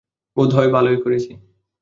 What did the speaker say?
বোধহয় ভালোই করেছি।